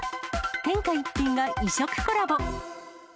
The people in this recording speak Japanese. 天下一品が異色コラボ。